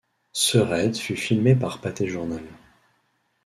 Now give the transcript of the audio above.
Ce raid fut filmé par Pathé Journal.